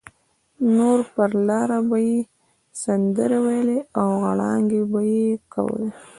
نو پر لاره به یې سندرې ویلې او غړانګې به یې کولې.